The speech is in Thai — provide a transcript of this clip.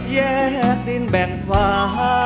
แยกดินแบ่งฟ้า